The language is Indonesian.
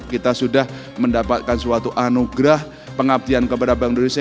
kita sudah mendapatkan suatu anugerah pengabdian kepada bank indonesia